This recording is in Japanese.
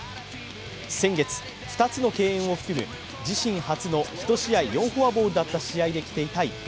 先月、２つの敬遠を含む自身初の１試合４フォアボールだった試合で着ていた一品。